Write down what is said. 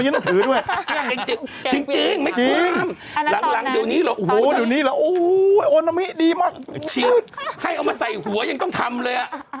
ให้เอามาใส่หัวยังต้องทำเลย